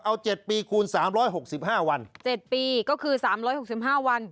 เอา๗ปีคูณ๓๖๕วัน๗ปีก็คือ๓๖๕วัน